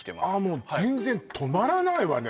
もう全然止まらないわね